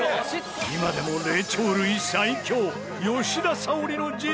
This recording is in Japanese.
今でも霊長類最強。